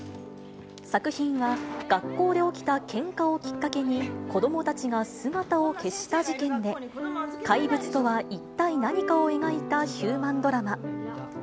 作品は、学校で起きたけんかをきっかけに、子どもたちが姿を消した事件で、怪物とは一体何かを描いたヒューマンドラマ。